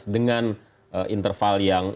dengan interval yang